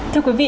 thưa quý vị